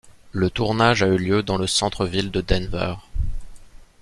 Le tournage a eu lieu dans le Centre-ville de Denver.